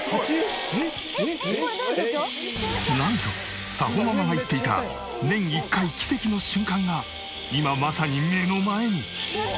なんと早穂ママが言っていた年１回奇跡の瞬間が今まさに目の前に！